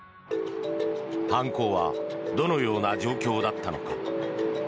犯行はどのような状況だったのか。